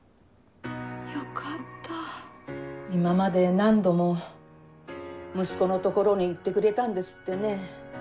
よかった今まで何度も息子の所に行ってくれたんですってね。